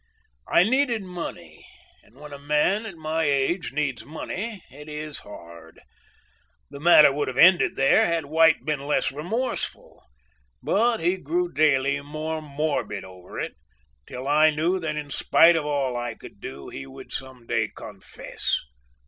I needed money, and when a man at my age needs money it is hard. The matter would have ended there had White been less remorseful, but he grew daily more morbid over it, till I knew that in spite of all I could do, he would some day confess.